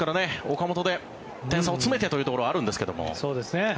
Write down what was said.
岡本で点差を詰めてというところはあるんですけども。